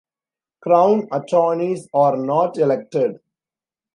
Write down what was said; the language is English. Crown Attorneys are not elected.